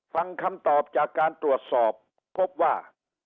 ฟังคำตอบจากการตรวจสอบพบว่า